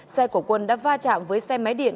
xe của quân đã va chạm với xe máy điện